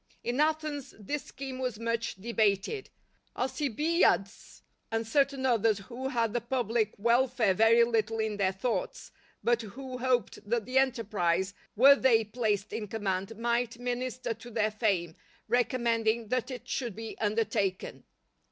In Athens this scheme was much debated, Alcibiades and certain others who had the public welfare very little in their thoughts, but who hoped that the enterprise, were they placed in command, might minister to their fame, recommending that it should be undertaken.